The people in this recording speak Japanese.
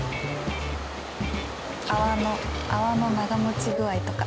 泡の泡の長持ち具合とか？